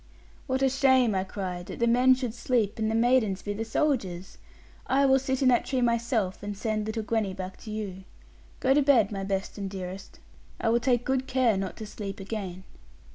'What a shame,' I cried, 'that the men should sleep, and the maidens be the soldiers! I will sit in that tree myself, and send little Gwenny back to you. Go to bed, my best and dearest; I will take good care not to sleep again.'